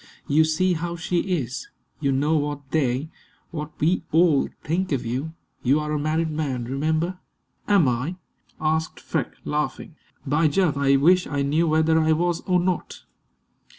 You see how she is. You know what they what we all think of you. You are a married man, remember." "Am I?" asked Freke, laughing. "By Jove, I wish I knew whether I was or not!"